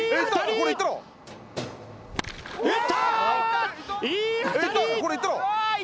これいったろ！